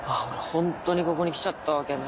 ホントにここに来ちゃったわけね。